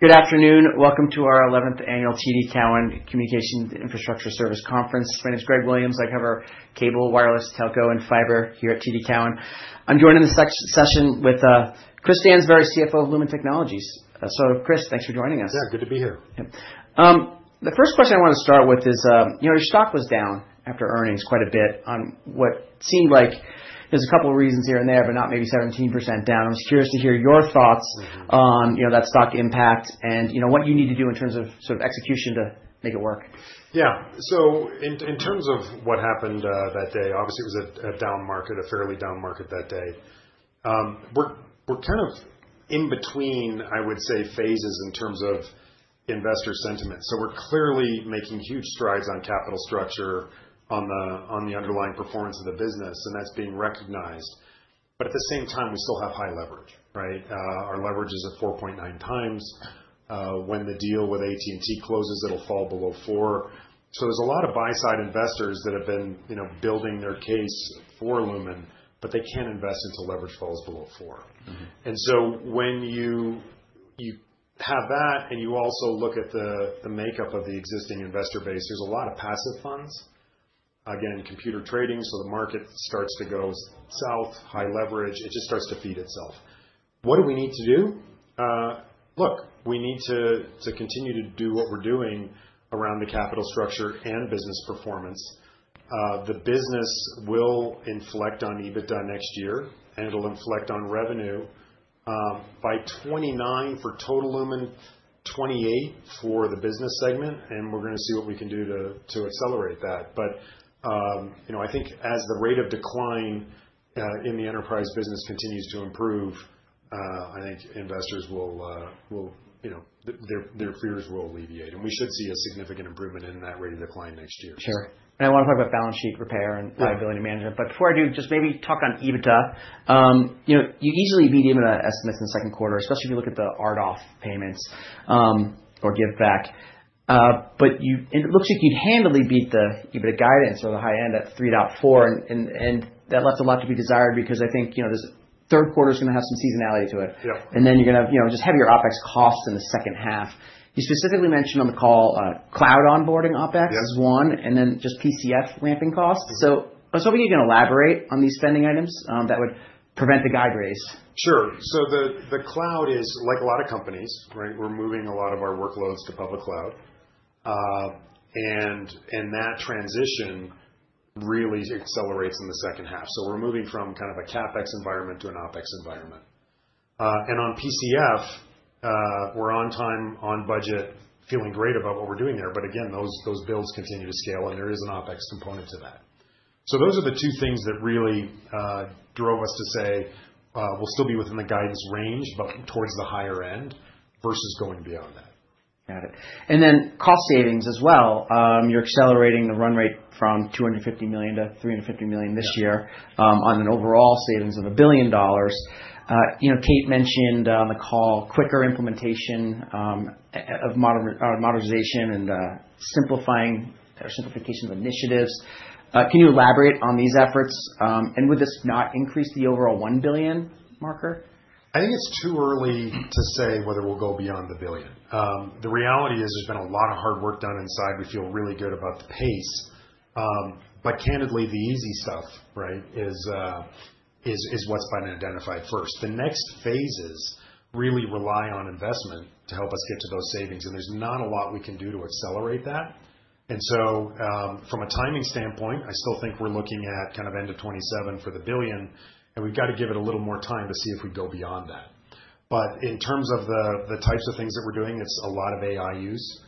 Good afternoon. Welcome to our 11th Annual TD Cowen Communications Infrastructure Service Conference. My name's Greg Williams. I cover cable, wireless, telco, and fiber here at TD Cowen. I'm joining the session with Chris Stansbury, CFO of Lumen Technologies. Chris, thanks for joining us. Yeah, good to be here. The first question I want to start with is, your stock was down after earnings quite a bit on what seemed like there's a couple of reasons here and there, but not maybe 17% down. I was curious to hear your thoughts on that stock impact and what you need to do in terms of execution to make it work. Yeah. In terms of what happened that day, obviously it was a down market, a fairly down market that day. We're kind of in between, I would say, phases in terms of investor sentiment. We're clearly making huge strides on capital structure, on the underlying performance of the business, and that's being recognized. At the same time, we still have high leverage. Our leverage is at 4.9 times. When the deal with AT&T closes, it'll fall below four. There's a lot of buy-side investors that have been building their case for Lumen, but they can't invest until leverage falls below four. When you have that and you also look at the makeup of the existing investor base, there's a lot of passive funds. Again, computer trading, so the market starts to go south, high leverage, it just starts to feed itself. What do we need to do? Look, we need to continue to do what we're doing around the capital structure and business performance. The business will inflect on EBITDA next year, and it'll inflect on revenue by 2029 for total Lumen, 2028 for the business segment, and we're going to see what we can do to accelerate that. I think as the rate of decline in the business continues to improve, I think investors will, their fears will alleviate, and we should see a significant improvement in that rate of decline next year. Sure. I want to talk about balance sheet repair and liability management. Before I do, just maybe talk on EBITDA. You easily beat EBITDA estimates in the second quarter, especially if you look at the RDOF payments or give back. It looks like you'd handily beat the EBITDA guidance or the high end at $3.4, and that left a lot to be desired because I think this third quarter is going to have some seasonality to it. You are going to just have your OpEx costs in the second half. You specifically mentioned on the call cloud onboarding OpEx is one, and then just PCF ramping costs. I was hoping you can elaborate on these spending items that would prevent the guide raise. Sure. The cloud is like a lot of companies, we're moving a lot of our workloads to public cloud. That transition really accelerates in the second half. We're moving from kind of a CapEx environment to an OpEx environment. On PCF, we're on time, on budget, feeling great about what we're doing there. Those builds continue to scale, and there is an OpEx component to that. Those are the two things that really drove us to say we'll still be within the guidance range, but towards the higher end versus going beyond that. Got it. And then cost savings as well. You're accelerating the run rate from $250 million-$350 million this year on an overall savings of $1 billion. Kate mentioned on the call quicker implementation of modernization and simplifying or simplification of initiatives. Can you elaborate on these efforts? And would this not increase the overall $1 billion marker? I think it's too early to say whether we'll go beyond the billion. The reality is there's been a lot of hard work done inside. We feel really good about the pace. Candidly, the easy stuff is what's been identified first. The next phases really rely on investment to help us get to those savings, and there's not a lot we can do to accelerate that. From a timing standpoint, I still think we're looking at kind of end of 2027 for the billion, and we've got to give it a little more time to see if we go beyond that. In terms of the types of things that we're doing, it's a lot of AI use.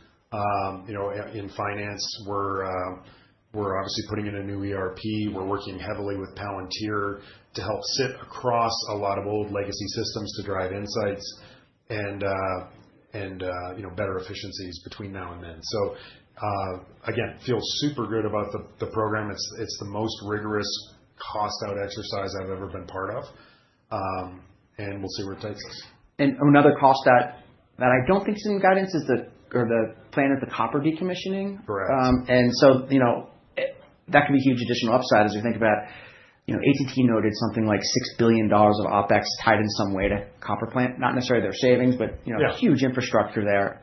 In finance, we're obviously putting in a new ERP. We're working heavily with Palantir to help sit across a lot of old legacy systems to drive insights and better efficiencies between now and then. Again, feel super good about the program. It's the most rigorous cost-out exercise I've ever been part of, and we'll see where it takes us. Another cost that I don't think's in guidance is the plan is the copper decommissioning. Correct. That could be huge additional upside as we think about AT&T noted something like $6 billion of OpEx tied in some way to copper plant, not necessarily their savings, but huge infrastructure there.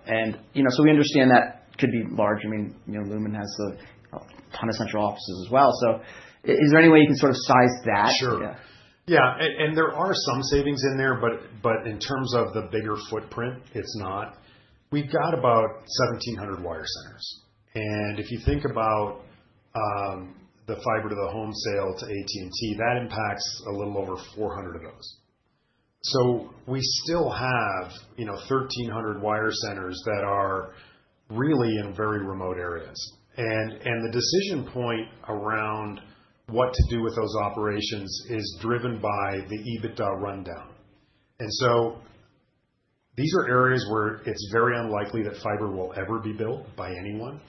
We understand that could be large. I mean, Lumen has a ton of central offices as well. Is there any way you can sort of size that? Sure. Yeah. There are some savings in there, but in terms of the bigger footprint, it's not. We've got about 1,700 wire centers. If you think about the fiber to the home sale to AT&T, that impacts a little over 400 of those. We still have 1,300 wire centers that are really in very remote areas. The decision point around what to do with those operations is driven by the EBITDA rundown. These are areas where it's very unlikely that fiber will ever be built by anyone.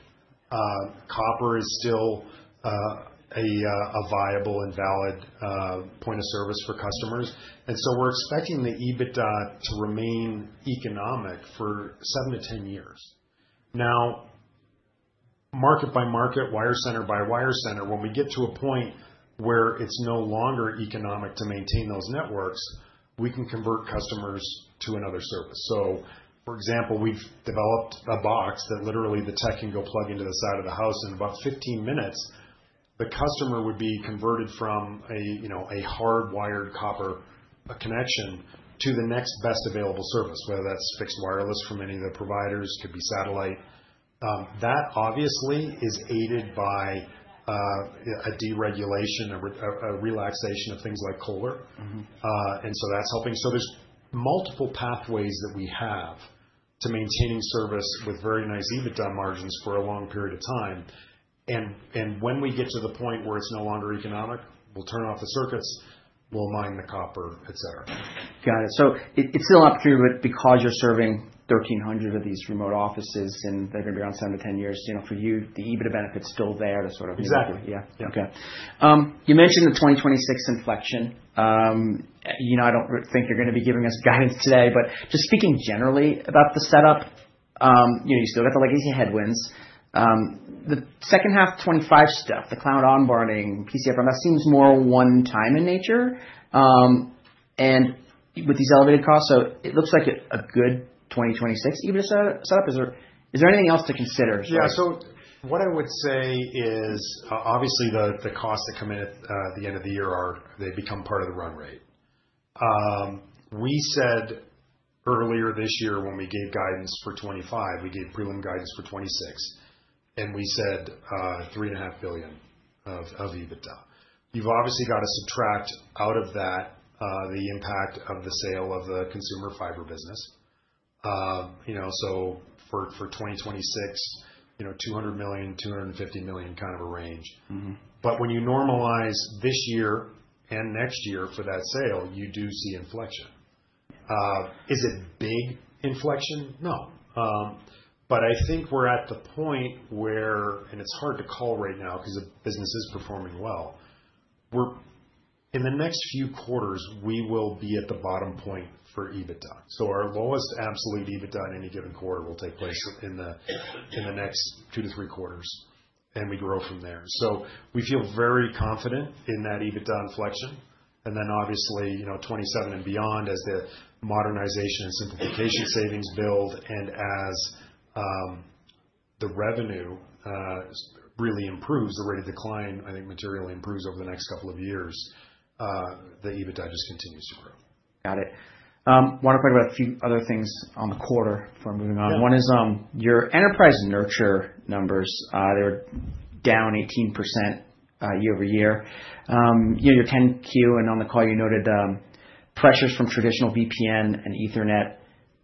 Copper is still a viable and valid point of service for customers. We're expecting the EBITDA to remain economic for seven to 10 years. Now, market-by-market, wire center by wire center, when we get to a point where it's no longer economic to maintain those networks, we can convert customers to another service. For example, we've developed a box that literally the tech can go plug into the side of the house in about 15 minutes. The customer would be converted from a hard wired copper connection to the next best available service, whether that's fixed wireless from any of the providers, could be satellite. That obviously is aided by a deregulation, a relaxation of things like coal work. That is helping. There are multiple pathways that we have to maintaining service with very nice EBITDA margins for a long period of time. When we get to the point where it's no longer economic, we'll turn off the circuits, we'll mine the copper, etc. Got it. It is still an opportunity, but because you're serving 1,300 of these remote offices and they're going to be around seven to 10 years, for you, the EBITDA benefit is still there to sort of. Exactly. Yeah. Okay. You mentioned the 2026 inflection. I do not think they are going to be giving us guidance today, but just speaking generally about the setup, you still got the legacy headwinds. The second half, 2025 stuff, the cloud onboarding, PCF, that seems more one-time in nature. With these elevated costs, it looks like a good 2026 EBITDA setup. Is there anything else to consider? Yeah. So, what I would say is obviously the costs that come in at the end of the year are, they become part of the run rate. We said earlier this year when we gave guidance for 2025, we gave prelim guidance for 2026, and we said $3.5 billion of EBITDA. You've obviously got to subtract out of that the impact of the sale of the consumer fiber business. So, for 2026, $200 million-$250 million kind of a range. But when you normalize this year and next year for that sale, you do see inflection. Is it big inflection? No. I think we're at the point where, and it's hard to call right now because the business is performing well, in the next few quarters, we will be at the bottom point for EBITDA. Our lowest absolute EBITDA in any given quarter will take place in the next two to three quarters, and we grow from there. We feel very confident in that EBITDA inflection. Obviously, 2027 and beyond, as the modernization and simplification savings build and as the revenue really improves, the rate of decline, I think, materially improves over the next couple of years, the EBITDA just continues to grow. Got it. I want to talk about a few other things on the quarter before moving on. One is your enterprise nurture numbers. They were down 18% year-over-year. Your 10-Q, and on the call, you noted pressures from traditional VPN and Ethernet.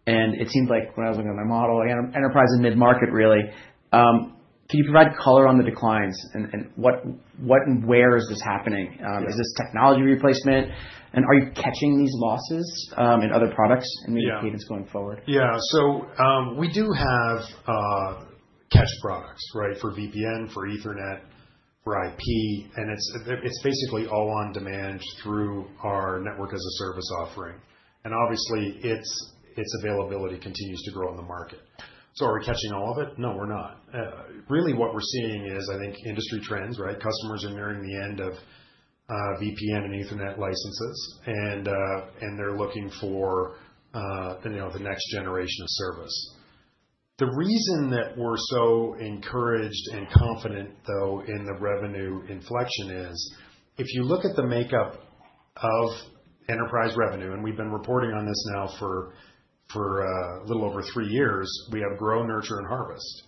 It seemed like when I was looking at my model, enterprise and mid-market really. Can you provide color on the declines? What and where is this happening? Is this technology replacement? Are you catching these losses in other products and maybe cadence going forward? Yeah. We do have catch products for VPN, for Ethernet, for IP, and it is basically all on demand through our network as a service offering. Obviously, its availability continues to grow in the market. Are we catching all of it? No, we are not. Really, what we are seeing is, I think, industry trends. Customers are nearing the end of VPN and Ethernet licenses, and they are looking for the next generation of service. The reason that we are so encouraged and confident, though, in the revenue inflection is if you look at the makeup of enterprise revenue, and we have been reporting on this now for a little over three years, we have grow, nurture, and harvest.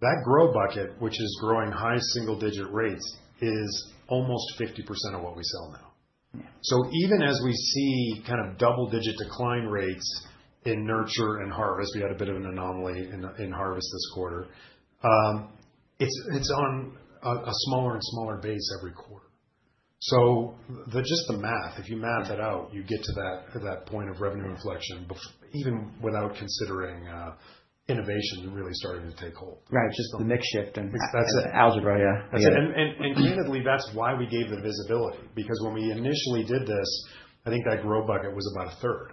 That grow bucket, which is growing high single-digit rates, is almost 50% of what we sell now. Even as we see kind of double-digit decline rates in nurture and harvest, we had a bit of an anomaly in harvest this quarter. It's on a smaller and smaller base every quarter. Just the math, if you math it out, you get to that point of revenue inflection even without considering innovation really starting to take hold. Right. Just the makeshift and. That's algebra, yeah. Candidly, that's why we gave the visibility, because when we initially did this, I think that grow bucket was about a third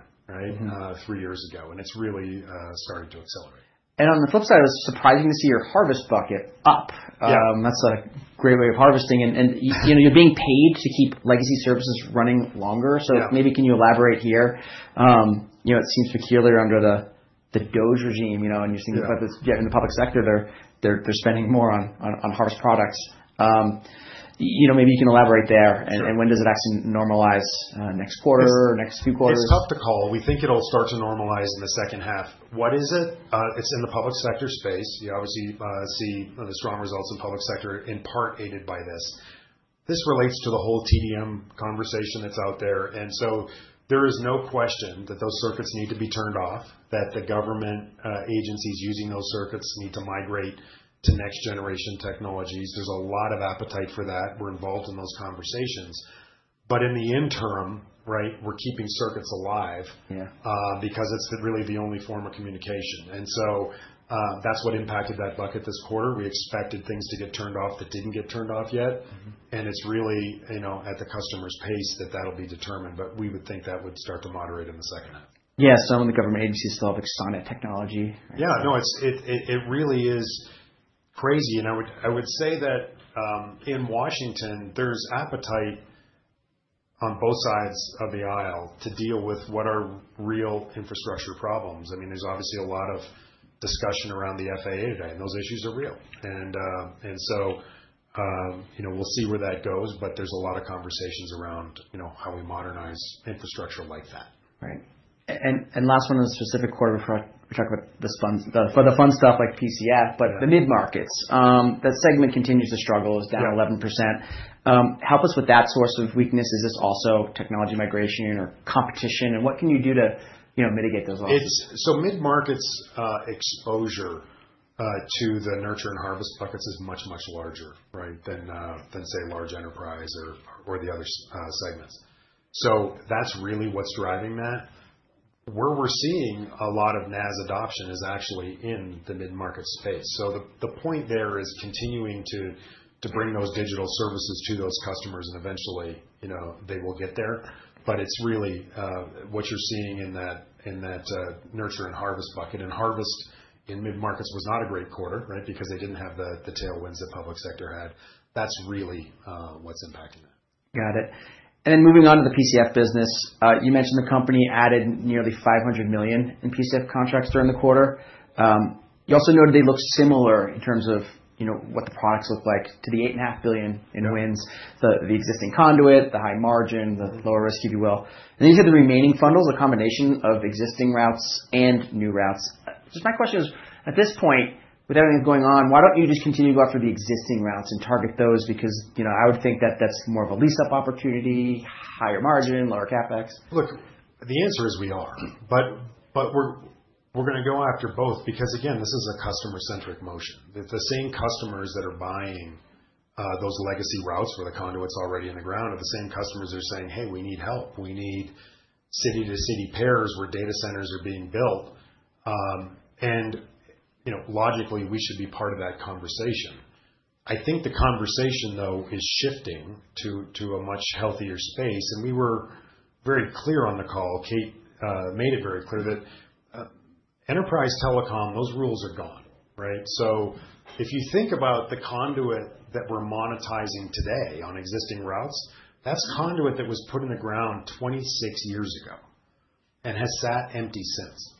three years ago, and it's really starting to accelerate. On the flip side, it was surprising to see your harvest bucket up. That's a great way of harvesting. And you're being paid to keep legacy services running longer. Maybe can you elaborate here? It seems peculiar under the DOGE regime, and you're seeing in the public sector, they're spending more on harvest products. Maybe you can elaborate there. When does it actually normalize? Next quarter, next few quarters? It's tough to call. We think it'll start to normalize in the second half. What is it? It's in the public sector space. You obviously see the strong results in public sector in part aided by this. This relates to the whole TDM conversation that's out there. There is no question that those circuits need to be turned off, that the government agencies using those circuits need to migrate to next-generation technologies. There's a lot of appetite for that. We're involved in those conversations. In the interim, we're keeping circuits alive because it's really the only form of communication. That's what impacted that bucket this quarter. We expected things to get turned off that didn't get turned off yet. It's really at the customer's pace that that'll be determined, but we would think that would start to moderate in the second half. Yeah. Some of the government agencies still have excited technology. Yeah. No, it really is crazy. I would say that in Washington, there's appetite on both sides of the aisle to deal with what are real infrastructure problems. I mean, there's obviously a lot of discussion around the FAA today, and those issues are real. We'll see where that goes, but there's a lot of conversations around how we modernize infrastructure like that. Right. Last one on the specific quarter, we talked about the funds stuff like PCF, but the mid-markets, that segment continues to struggle, is down 11%. Help us with that source of weakness. Is this also technology migration or competition? What can you do to mitigate those losses? Mid-markets exposure to the nurture and harvest buckets is much, much larger than say large enterprise or the other segments. That is really what is driving that. Where we are seeing a lot of NaaS adoption is actually in the mid-market space. The point there is continuing to bring those digital services to those customers, and eventually they will get there. It is really what you are seeing in that nurture and harvest bucket. Harvest in mid-markets was not a great quarter because they did not have the tailwinds that public sector had. That is really what is impacting that. Got it. Moving on to the PCF business, you mentioned the company added nearly $500 million in PCF contracts during the quarter. You also noted they look similar in terms of what the products look like to the $8.5 billion in wins, the existing conduit, the high margin, the lower risk, if you will. You said the remaining fundals, a combination of existing routes and new routes. Just my question is, at this point, with everything that's going on, why don't you just continue to go after the existing routes and target those? Because I would think that that's more of a lease-up opportunity, higher margin, lower CapEx. Look, the answer is we are. We are going to go after both because, again, this is a customer-centric motion. The same customers that are buying those legacy routes where the conduit's already in the ground are the same customers who are saying, "Hey, we need help. We need city-to-city pairs where data centers are being built." Logically, we should be part of that conversation. I think the conversation, though, is shifting to a much healthier space. We were very clear on the call, Kate made it very clear that enterprise telecom, those rules are gone. If you think about the conduit that we are monetizing today on existing routes, that is conduit that was put in the ground 26 years ago and has sat empty since.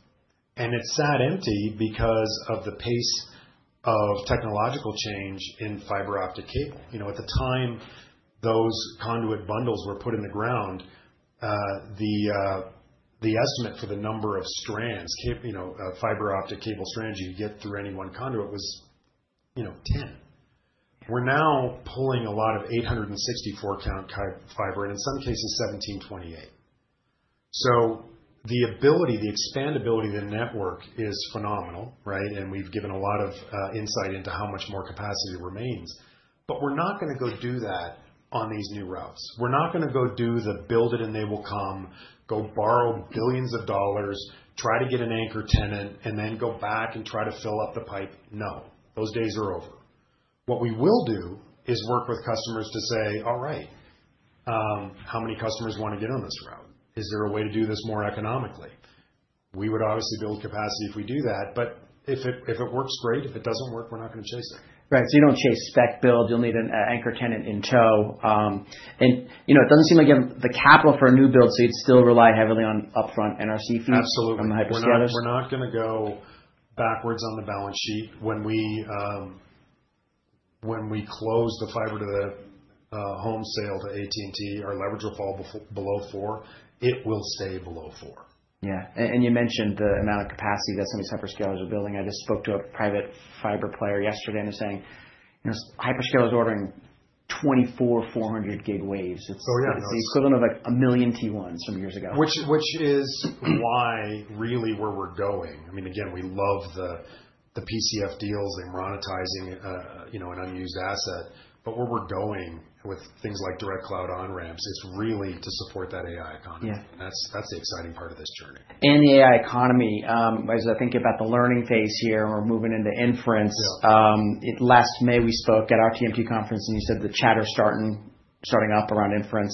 It sat empty because of the pace of technological change in fiber optic cable. At the time those conduit bundles were put in the ground, the estimate for the number of strands, fiber optic cable strands you get through any one conduit was 10. We're now pulling a lot of 864-count fiber, and in some cases, 1,728. The ability, the expandability of the network is phenomenal. We've given a lot of insight into how much more capacity remains. We're not going to go do that on these new routes. We're not going to go do the build it and they will come, go borrow billions of dollars, try to get an anchor tenant, and then go back and try to fill up the pipe. No. Those days are over. What we will do is work with customers to say, "All right, how many customers want to get on this route? Is there a way to do this more economically? We would obviously build capacity if we do that, but if it works, great. If it doesn't work, we're not going to chase it. Right. You do not chase spec build. You will need an anchor tenant in tow. It does not seem like you have the capital for a new build, so you would still rely heavily on upfront NRC fees from the hyperscalers. Absolutely. We're not going to go backwards on the balance sheet. When we close the fiber to the home sale to AT&T, our leverage will fall below four. It will stay below four. Yeah. You mentioned the amount of capacity that some of these hyperscalers are building. I just spoke to a private fiber player yesterday, and they're saying hyperscalers are ordering 24,400 giga waves. It's the equivalent of like a million T1s from years ago. Which is why really where we're going. I mean, again, we love the PCF deals. They're monetizing an unused asset. Where we're going with things like direct cloud on-ramps, it's really to support that AI economy. That's the exciting part of this journey. The AI economy, as I think about the learning phase here, we're moving into inference. Last May, we spoke at our TMT conference, and you said the chatter starting up around inference.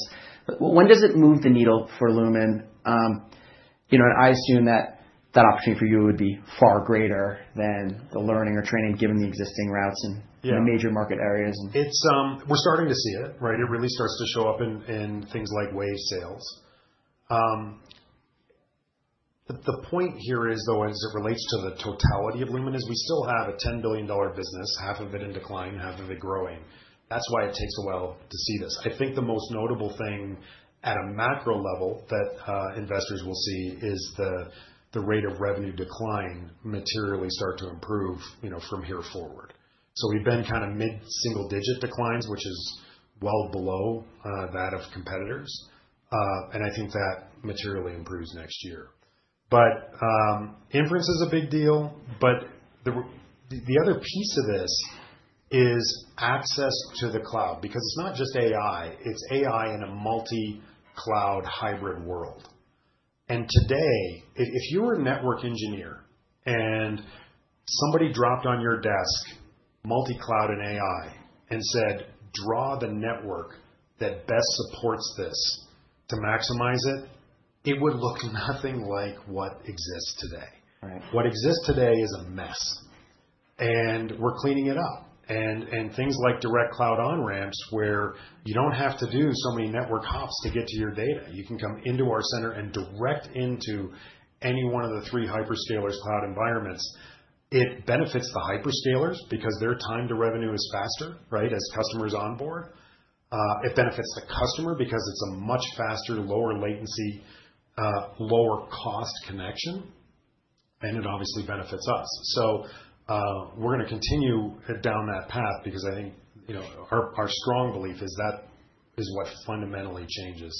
When does it move the needle for Lumen? I assume that that opportunity for you would be far greater than the learning or training given the existing routes and the major market areas. We're starting to see it. It really starts to show up in things like wave sales. The point here is, though, as it relates to the totality of Lumen, is we still have a $10 billion business, half of it in decline, half of it growing. That's why it takes a while to see this. I think the most notable thing at a macro level that investors will see is the rate of revenue decline materially start to improve from here forward. We've been kind of mid-single-digit declines, which is well below that of competitors. I think that materially improves next year. Inference is a big deal. The other piece of this is access to the cloud because it's not just AI. It's AI in a multi-cloud hybrid world. If you were a network engineer and somebody dropped on your desk multi-cloud and AI and said, "Draw the network that best supports this to maximize it," it would look nothing like what exists today. What exists today is a mess. We are cleaning it up. Things like direct cloud on-ramps where you do not have to do so many network hops to get to your data. You can come into our center and direct into any one of the three hyperscalers' cloud environments. It benefits the hyperscalers because their time to revenue is faster as customers onboard. It benefits the customer because it is a much faster, lower latency, lower cost connection. It obviously benefits us. We are going to continue down that path because I think our strong belief is that is what fundamentally changes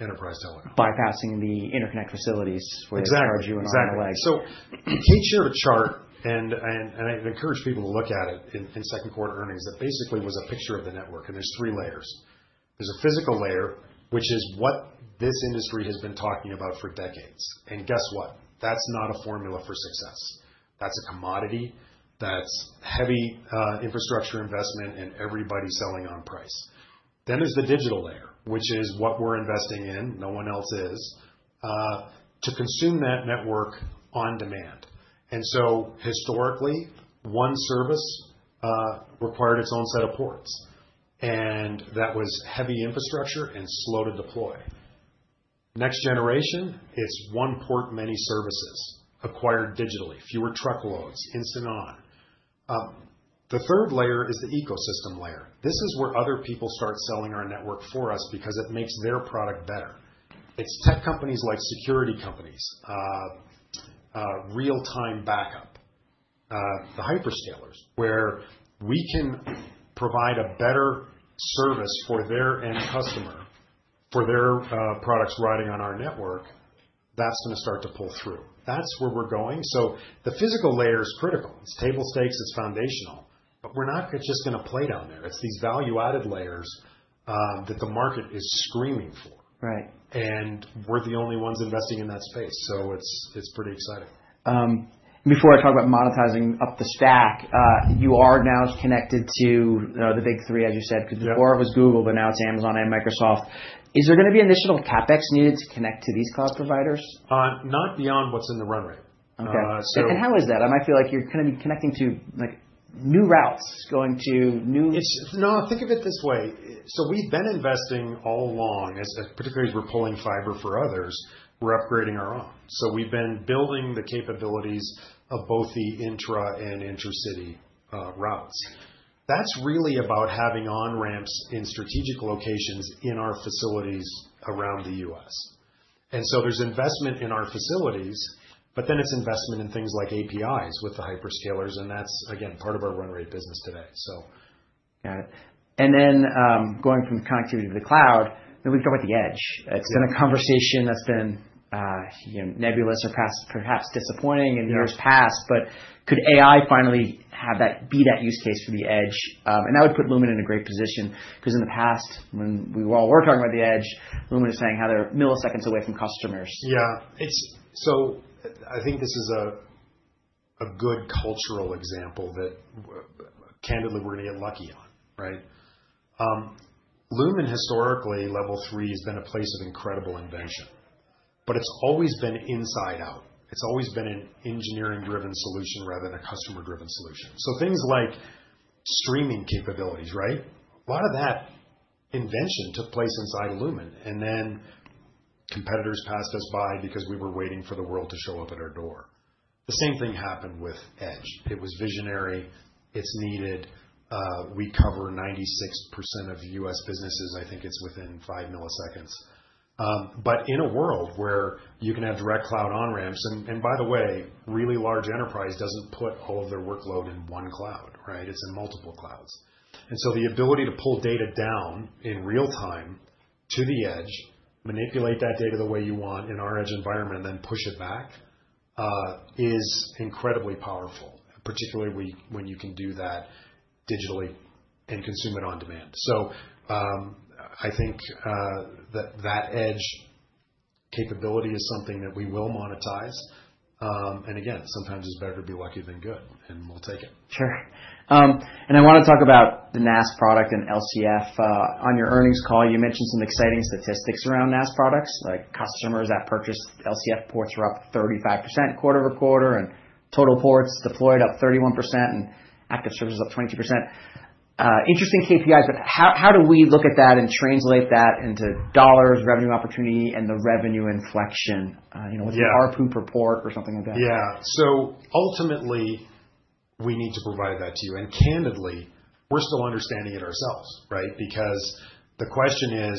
enterprise telecom. Bypassing the interconnect facilities where you've charged you and all the legs. Exactly. Kate shared a chart, and I encourage people to look at it in second quarter earnings, that basically was a picture of the network. There are three layers. There is a physical layer, which is what this industry has been talking about for decades. Guess what? That is not a formula for success. That is a commodity. That is heavy infrastructure investment and everybody selling on price. There is the digital layer, which is what we are investing in. No one else is to consume that network on demand. Historically, one service required its own set of ports. That was heavy infrastructure and slow to deploy. Next generation, it is one port, many services acquired digitally, fewer truckloads, instant on. The third layer is the ecosystem layer. This is where other people start selling our network for us because it makes their product better. It's tech companies like security companies, real-time backup, the hyperscalers. Where we can provide a better service for their end customer, for their products riding on our network, that's going to start to pull through. That is where we're going. The physical layer is critical. It's table stakes. It's foundational. We're not just going to play down there. It's these value-added layers that the market is screaming for. We're the only ones investing in that space. It's pretty exciting. Before I talk about monetizing up the stack, you are now connected to the big three, as you said, because before it was Google, but now it's Amazon and Microsoft. Is there going to be additional CapEx needed to connect to these cloud providers? Not beyond what's in the runway. Okay. How is that? I feel like you're going to be connecting to new routes, going to new. No, think of it this way. We have been investing all along, particularly as we are pulling fiber for others, we are upgrading our own. We have been building the capabilities of both the intra and inter-city routes. That is really about having on-ramps in strategic locations in our facilities around the U.S. There is investment in our facilities, but then it is investment in things like APIs with the hyperscalers. That is, again, part of our runway business today. Got it. Going from the connectivity to the cloud, we've talked about the edge. It's been a conversation that's been nebulous or perhaps disappointing in years past. Could AI finally be that use case for the edge? That would put Lumen in a great position because in the past, when we all were talking about the edge, Lumen was saying how they're milliseconds away from customers. Yeah. I think this is a good cultural example that, candidly, we're going to get lucky on. Lumen, historically, Level 3 has been a place of incredible invention, but it's always been inside out. It's always been an engineering-driven solution rather than a customer-driven solution. Things like streaming capabilities, right? A lot of that invention took place inside Lumen. Then competitors passed us by because we were waiting for the world to show up at our door. The same thing happened with Edge. It was visionary. It's needed. We cover 96% of U.S. businesses. I think it's within five milliseconds. In a world where you can have direct cloud on-ramps, and by the way, really large enterprise doesn't put all of their workload in one cloud, right? It's in multiple clouds. The ability to pull data down in real time to the Edge, manipulate that data the way you want in our Edge environment, and then push it back is incredibly powerful, particularly when you can do that digitally and consume it on demand. I think that Edge capability is something that we will monetize. Again, sometimes it's better to be lucky than good, and we'll take it. Sure. I want to talk about the NaaS product and LCF. On your earnings call, you mentioned some exciting statistics around NaaS products, like customers that purchased LCF ports were up 35% quarter-over-quarter, and total ports deployed up 31%, and active servers up 22%. Interesting KPIs, but how do we look at that and translate that into dollars, revenue opportunity, and the revenue inflection? What's the ARPU per port or something like that? Yeah. Ultimately, we need to provide that to you. And candidly, we're still understanding it ourselves, right? Because the question is,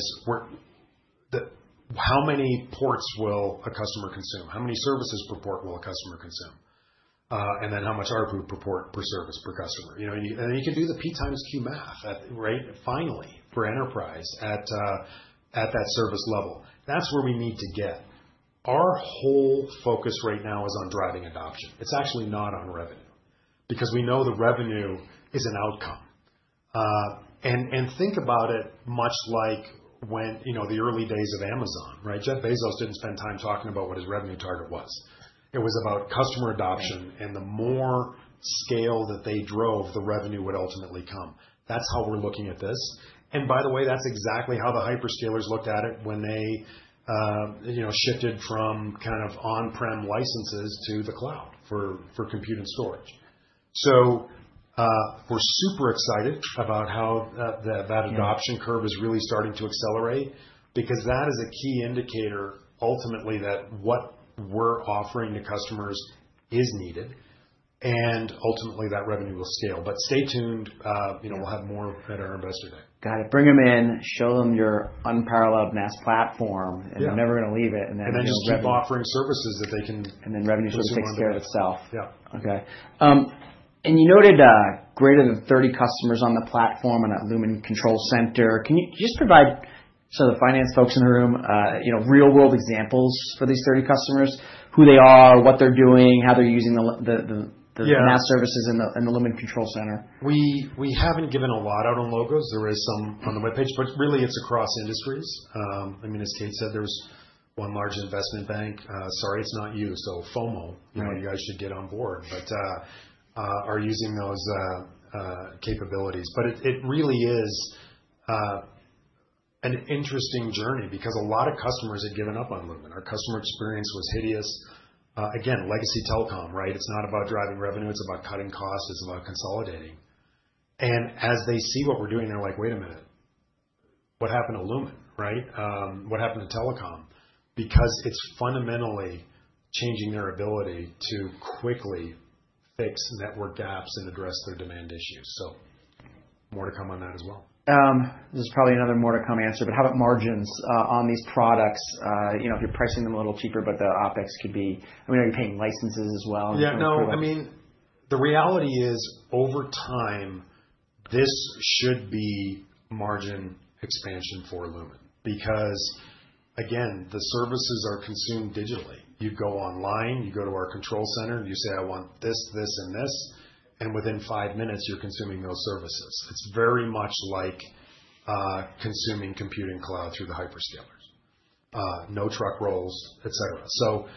how many ports will a customer consume? How many services per port will a customer consume? And then how much ARPU per port, per service, per customer? You can do the P x Q math, right? Finally, for enterprise at that service level. That's where we need to get. Our whole focus right now is on driving adoption. It's actually not on revenue because we know the revenue is an outcome. Think about it much like the early days of Amazon, right? Jeff Bezos didn't spend time talking about what his revenue target was. It was about customer adoption, and the more scale that they drove, the revenue would ultimately come. That's how we're looking at this. By the way, that's exactly how the hyperscalers looked at it when they shifted from kind of on-prem licenses to the cloud for compute and storage. We're super excited about how that adoption curve is really starting to accelerate because that is a key indicator, ultimately, that what we're offering to customers is needed. Ultimately, that revenue will scale. Stay tuned. We'll have more at our Investor Day. Got it. Bring them in. Show them your unparalleled NaaS platform. And they're never going to leave it. Just keep offering services that they can. Revenue should take care of itself. Yeah. Okay. You noted greater than 30 customers on the platform and at Lumen Control Center. Can you just provide some of the finance folks in the room real-world examples for these 30 customers, who they are, what they're doing, how they're using the NaaS services in the Lumen Control Center? We haven't given a lot out on logos. There is some on the web page, but really, it's across industries. I mean, as Kate said, there's one large investment bank. Sorry, it's not you. FOMO. You guys should get on board, but are using those capabilities. It really is an interesting journey because a lot of customers had given up on Lumen. Our customer experience was hideous. Again, legacy telecom, right? It's not about driving revenue. It's about cutting costs. It's about consolidating. As they see what we're doing, they're like, "Wait a minute. What happened to Lumen, right? What happened to telecom?" Because it's fundamentally changing their ability to quickly fix network gaps and address their demand issues. More to come on that as well. This is probably another more to come answer, but how about margins on these products? If you're pricing them a little cheaper, but the OpEx could be, I mean, are you paying licenses as well? Yeah. No, I mean, the reality is, over time, this should be margin expansion for Lumen because, again, the services are consumed digitally. You go online. You go to our control center. You say, "I want this, this, and this." Within five minutes, you're consuming those services. It's very much like consuming computing cloud through the hyperscalers. No truck rolls, etc.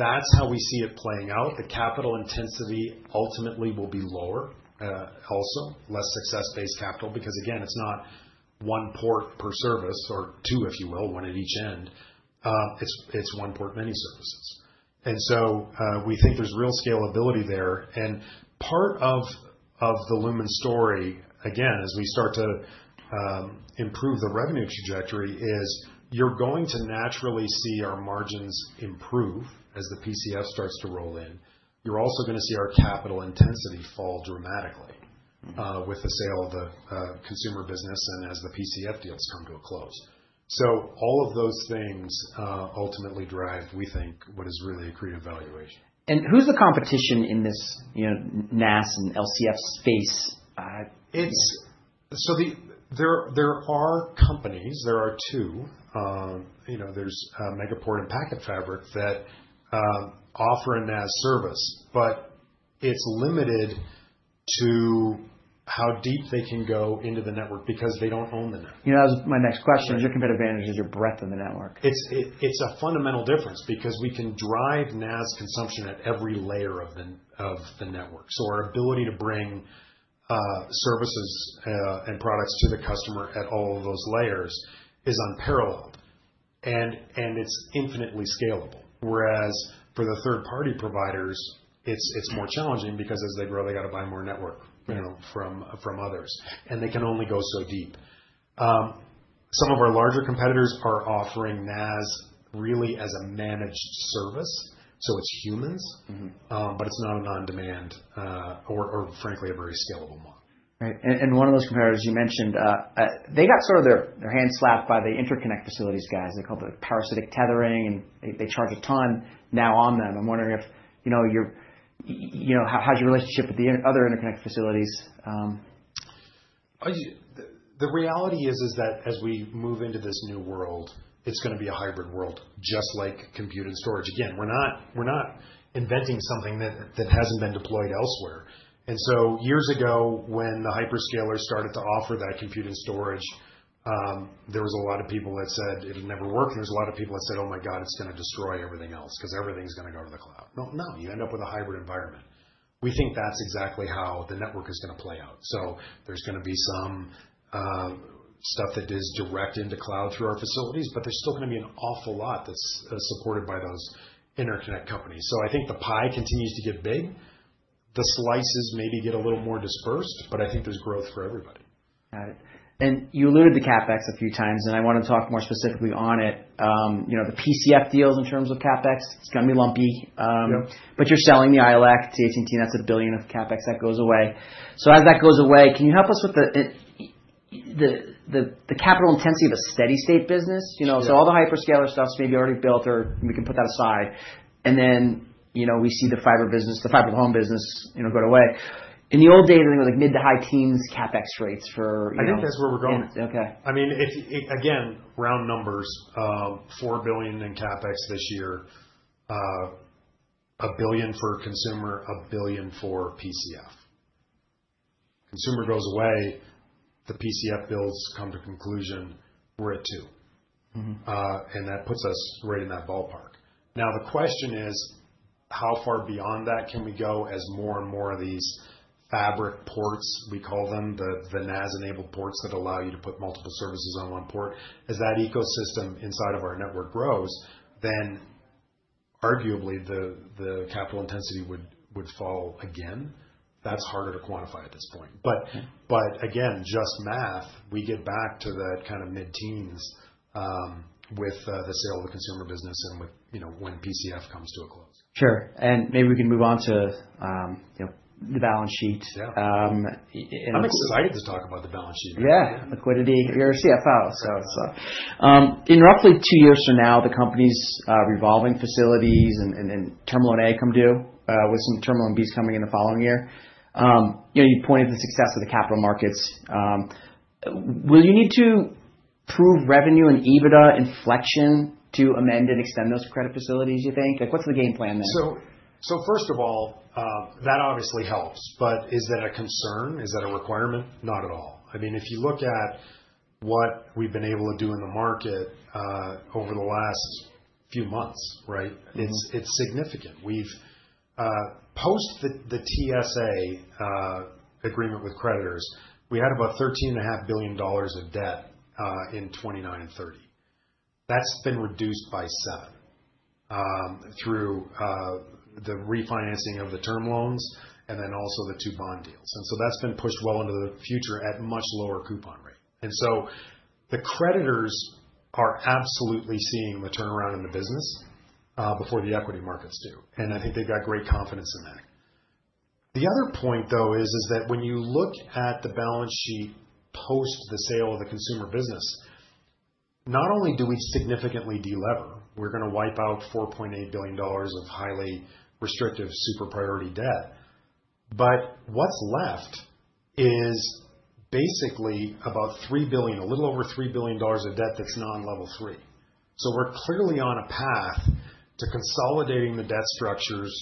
That is how we see it playing out. The capital intensity ultimately will be lower also, less success-based capital because, again, it's not one port per service or two, if you will, one at each end. It's one port, many services. We think there's real scalability there. Part of the Lumen story, again, as we start to improve the revenue trajectory, is you're going to naturally see our margins improve as the PCF starts to roll in. You're also going to see our capital intensity fall dramatically with the sale of the consumer business and as the PCF deals come to a close. All of those things ultimately drive, we think, what is really a creative valuation. Who's the competition in this NaaS and LCF space? There are companies. There are two. There's Megaport and PacketFabric that offer a NaaS service, but it's limited to how deep they can go into the network because they don't own the network. That was my next question. Is your competitive advantage your breadth of the network? It's a fundamental difference because we can drive NaaS consumption at every layer of the network. Our ability to bring services and products to the customer at all of those layers is unparalleled. It's infinitely scalable. For the third-party providers, it's more challenging because as they grow, they got to buy more network from others. They can only go so deep. Some of our larger competitors are offering NaaS really as a managed service. It's humans, but it's not an on-demand or, frankly, a very scalable model. Right. One of those competitors you mentioned, they got sort of their hand slapped by the interconnect facilities guys. They called it parasitic tethering, and they charge a ton now on them. I'm wondering if you know how's your relationship with the other interconnect facilities? The reality is that as we move into this new world, it's going to be a hybrid world, just like compute and storage. Again, we're not inventing something that hasn't been deployed elsewhere. Years ago, when the hyperscalers started to offer that compute and storage, there was a lot of people that said it had never worked. There was a lot of people that said, "Oh my God, it's going to destroy everything else because everything's going to go to the cloud." No, you end up with a hybrid environment. We think that's exactly how the network is going to play out. There is going to be some stuff that is direct into cloud through our facilities, but there is still going to be an awful lot that's supported by those interconnect companies. I think the pie continues to get big. The slices maybe get a little more dispersed, but I think there's growth for everybody. Got it. You alluded to CapEx a few times, and I want to talk more specifically on it. The PCF deals in terms of CapEx, it's going to be lumpy. You're selling the ILEC to AT&T, and that's a billion of CapEx that goes away. As that goes away, can you help us with the capital intensity of a steady-state business? All the hyperscaler stuff's maybe already built, or we can put that aside. Then we see the fiber business, the fiber home business go away. In the old days, I think it was like mid to high teens CapEx rates for. I think that's where we're going. Yeah. Okay. I mean, again, round numbers, $4 billion in CapEx this year, $1 billion for consumer, $1 billion for PCF. Consumer goes away, the PCF builds come to conclusion, we're at two. That puts us right in that ballpark. Now, the question is, how far beyond that can we go as more and more of these fabric ports, we call them, the NaaS-enabled ports that allow you to put multiple services on one port? As that ecosystem inside of our network grows, then arguably the capital intensity would fall again. That's harder to quantify at this point. Again, just math, we get back to that kind of mid-teens with the sale of the consumer business and when PCF comes to a close. Sure. Maybe we can move on to the balance sheet. Yeah. I'm excited to talk about the balance sheet. Yeah. Liquidity. You're a CFO, so. In roughly two years from now, the company's revolving facilities and term loan A come due with some term loan Bs coming in the following year. You pointed to the success of the capital markets. Will you need to prove revenue and EBITDA inflection to amend and extend those credit facilities, do you think? What's the game plan there? First of all, that obviously helps, but is that a concern? Is that a requirement? Not at all. I mean, if you look at what we've been able to do in the market over the last few months, right, it's significant. Post the TSA agreement with creditors, we had about $13.5 billion of debt in 2029 and 2030. That's been reduced by seven through the refinancing of the term loans and then also the two bond deals. That has been pushed well into the future at much lower coupon rate. The creditors are absolutely seeing the turnaround in the business before the equity markets do. I think they've got great confidence in that. The other point, though, is that when you look at the balance sheet post the sale of the consumer business, not only do we significantly delever, we're going to wipe out $4.8 billion of highly restrictive super priority debt, but what's left is basically about $3 billion, a little over $3 billion of debt that's non-Level 3. We are clearly on a path to consolidating the debt structures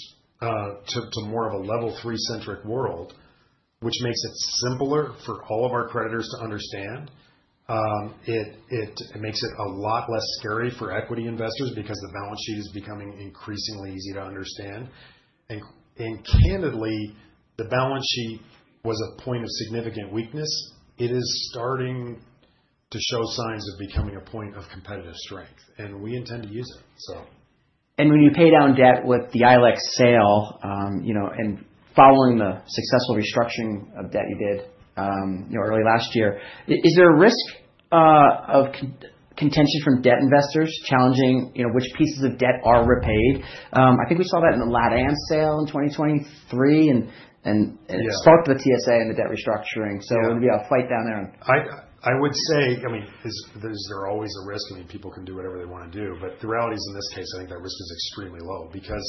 to more of a Level 3-centric world, which makes it simpler for all of our creditors to understand. It makes it a lot less scary for equity investors because the balance sheet is becoming increasingly easy to understand. Candidly, the balance sheet was a point of significant weakness. It is starting to show signs of becoming a point of competitive strength. We intend to use it, so. When you pay down debt with the ILEC sale and following the successful restructuring of debt you did early last year, is there a risk of contention from debt investors challenging which pieces of debt are repaid? I think we saw that in the LatAm sale in 2023 and sparked the TSA and the debt restructuring. It'll be a fight down there. I would say, I mean, is there always a risk? I mean, people can do whatever they want to do. The reality is, in this case, I think that risk is extremely low because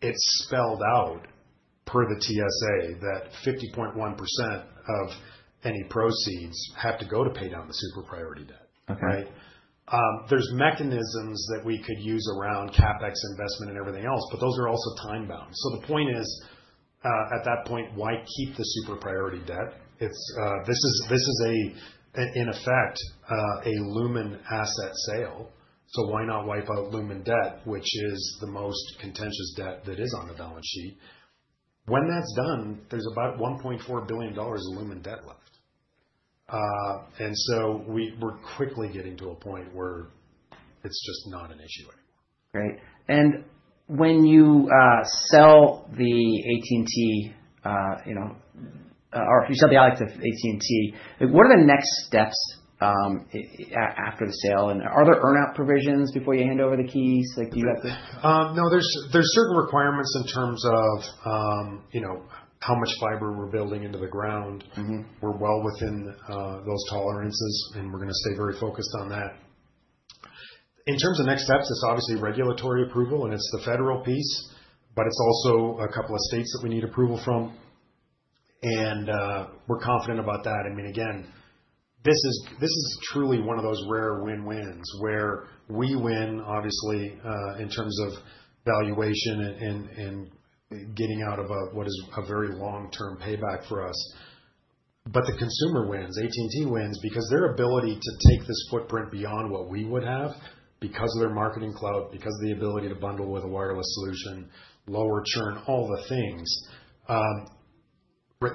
it's spelled out per the TSA that 50.1% of any proceeds have to go to pay down the super priority debt, right? There are mechanisms that we could use around CapEx investment and everything else, but those are also time-bound. The point is, at that point, why keep the super priority debt? This is, in effect, a Lumen asset sale. Why not wipe out Lumen debt, which is the most contentious debt that is on the balance sheet? When that's done, there's about $1.4 billion of Lumen debt left. We are quickly getting to a point where it's just not an issue anymore. Great. When you sell the AT&T or you sell the ILEC to AT&T, what are the next steps after the sale? Are there earn-out provisions before you hand over the keys? Do you have to? No, there's certain requirements in terms of how much fiber we're building into the ground. We're well within those tolerances, and we're going to stay very focused on that. In terms of next steps, it's obviously regulatory approval, and it's the federal piece, but it's also a couple of states that we need approval from. We're confident about that. I mean, again, this is truly one of those rare win-wins where we win, obviously, in terms of valuation and getting out of what is a very long-term payback for us. The consumer wins. AT&T wins because their ability to take this footprint beyond what we would have because of their marketing cloud, because of the ability to bundle with a wireless solution, lower churn, all the things.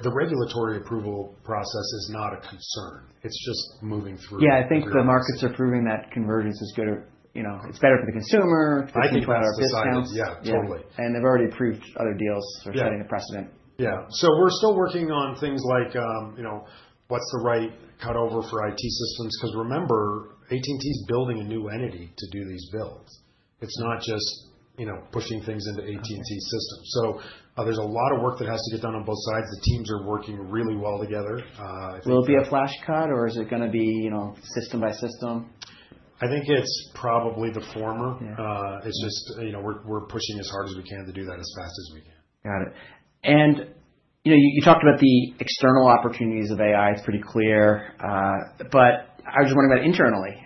The regulatory approval process is not a concern. It's just moving through. Yeah. I think the markets are proving that convergence is good. It's better for the consumer. I think that's excellent. Yeah. Totally. They've already approved other deals or setting the precedent. Yeah. We're still working on things like what's the right cutover for IT systems? Because remember, AT&T is building a new entity to do these builds. It's not just pushing things into AT&T's system. There's a lot of work that has to get done on both sides. The teams are working really well together. Will it be a flash cut, or is it going to be system by system? I think it's probably the former. It's just we're pushing as hard as we can to do that as fast as we can. Got it. You talked about the external opportunities of AI. It's pretty clear. I was just wondering about internally,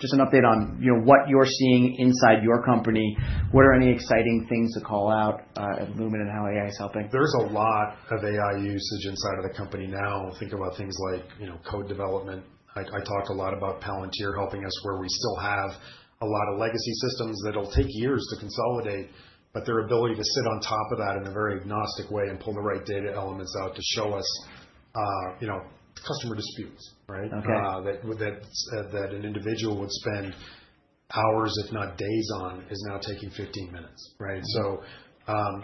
just an update on what you're seeing inside your company. What are any exciting things to call out at Lumen and how AI is helping? There's a lot of AI usage inside of the company now. Think about things like code development. I talked a lot about Palantir helping us where we still have a lot of legacy systems that'll take years to consolidate, but their ability to sit on top of that in a very agnostic way and pull the right data elements out to show us customer disputes, right, that an individual would spend hours, if not days, on is now taking 15 minutes, right?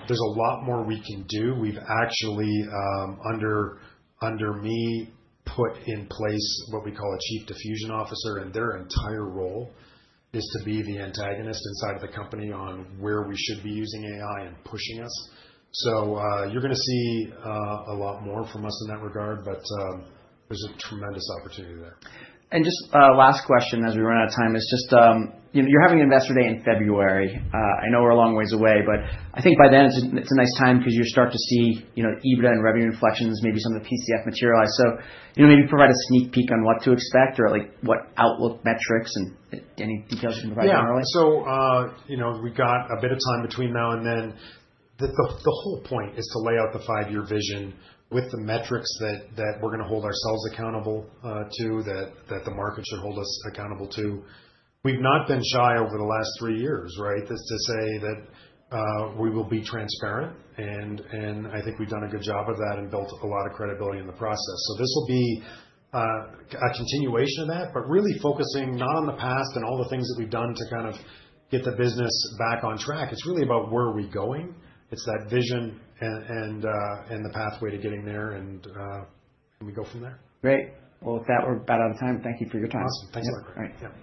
There's a lot more we can do. We've actually, under me, put in place what we call a Chief Diffusion Officer, and their entire role is to be the antagonist inside of the company on where we should be using AI and pushing us. You're going to see a lot more from us in that regard, but there's a tremendous opportunity there. Just a last question as we run out of time is just you're having an investor day in February. I know we're a long ways away, but I think by then it's a nice time because you start to see EBITDA and revenue inflections, maybe some of the PCF materialize. Maybe provide a sneak peek on what to expect or what outlook metrics and any details you can provide generally. Yeah. We got a bit of time between now and then. The whole point is to lay out the five-year vision with the metrics that we're going to hold ourselves accountable to, that the market should hold us accountable to. We've not been shy over the last three years, right, to say that we will be transparent. I think we've done a good job of that and built a lot of credibility in the process. This will be a continuation of that, but really focusing not on the past and all the things that we've done to kind of get the business back on track. It's really about where are we going. It's that vision and the pathway to getting there, and we go from there. Great. With that, we're about out of time. Thank you for your time. Awesome. Thanks, Gregory. All right.